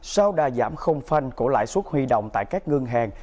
sau đà giảm không phanh của lãi suất huy động tại các ngân hàng